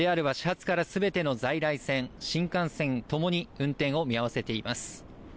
ＪＲは始発からすべての在来線、新幹線ともに運転を見合わせています。